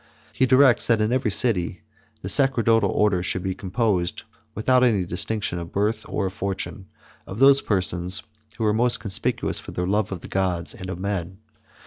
He directs, that in every city the sacerdotal order should be composed, without any distinction of birth and fortune, of those persons who were the most conspicuous for the love of the gods, and of men.